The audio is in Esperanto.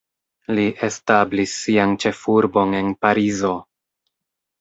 Li establis sian ĉefurbon en Parizo.